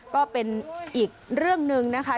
ก็เป็นอีกเรื่องหนึ่งนะคะ